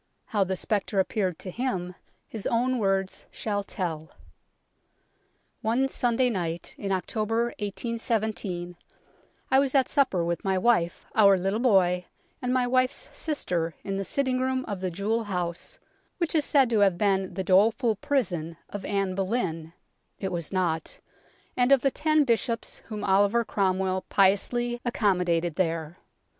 How the spectre appeared to him his own words shall tell " One Sunday night in October 1817, I was at supper with my wife, our little boy, and my wife's sister in the sitting room of the Jewel House, which is said to have been the ' doleful prison ' of Anne Boleyn [it was not] and of the ten Bishops whom Oliver Cromwell piously accommodated there.